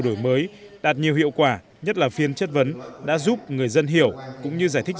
đổi mới đạt nhiều hiệu quả nhất là phiên chất vấn đã giúp người dân hiểu cũng như giải thích